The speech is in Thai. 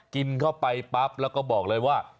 กินเข้าไปปั๊บแล้วก็บอกเลยว่า